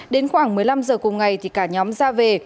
đến khoảng một mươi năm giờ cùng ngày thì cả nhóm ra về